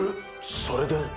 それで？